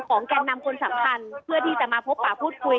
แกนนำคนสำคัญเพื่อที่จะมาพบป่าพูดคุย